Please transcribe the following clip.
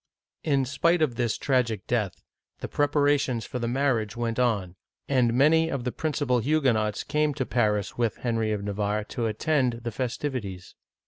In spite of this tragic death, the preparations for the marriage went on, and many of the principal Huguenots came to Paris with Henry of Navarre to attend the festivi ties.